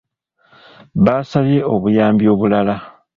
Baasabye obuyambi obulala.